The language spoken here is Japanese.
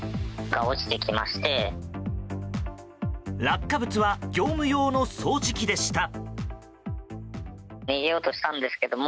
落下物は業務用の掃除機でした。